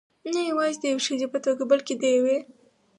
نه یوازې د یوې ښځې په توګه، بلکې د یوې .